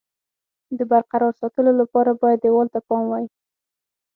د برقرار ساتلو لپاره باید دېوال ته پام وای.